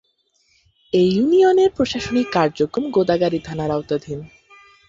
এ ইউনিয়নের প্রশাসনিক কার্যক্রম গোদাগাড়ী থানার আওতাধীন।